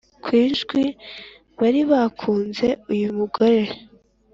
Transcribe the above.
kwijwi baribakunze uyu mugore